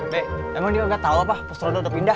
be emang dia gak tau apa pos ronda udah pindah